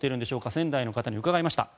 仙台の方に伺いました。